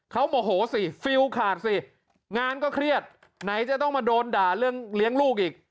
เขาโมโหสิฟิลขาดสิงานก็เครียดไหนจะต้องมาโดนด่าเรื่องเลี้ยงลูกอีก